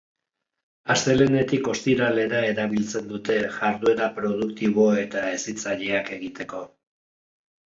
Astelehenetik ostiralera erabiltzen dute, jarduera produktibo eta hezitzaileak egiteko.